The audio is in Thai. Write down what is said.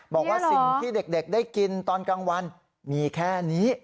บอกว่าสิ่งที่เด็กได้กินตอนกลางวันมีแค่นี้